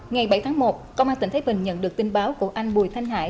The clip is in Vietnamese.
ngày bảy tháng một công an tỉnh thái bình nhận được tin báo của anh bùi thanh hải